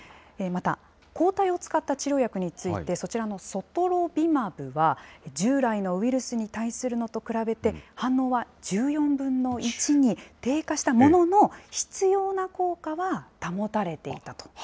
また、抗体を使った治療について、そちらのソトロビマブは従来のウイルスに対するのと比べて、反応は１４分の１に低下したものの、必要な効果は保たれていたと。